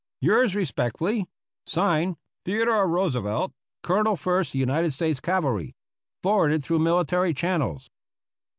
Yours respectfully, (Signed) Theodore Roosevelt, Colonel First United States Cavalry. Forwarded through military channels.